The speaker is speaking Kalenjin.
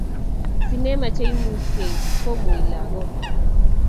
Sinema che imuisei komui lagok